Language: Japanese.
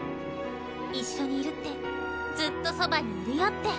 一緒にいるってずっとそばにいるよって。